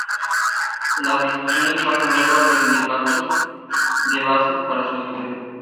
Las discusiones pasan luego a los sindicatos de base para su estudio.